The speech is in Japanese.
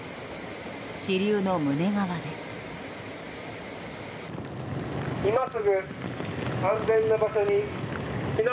支流の胸川です。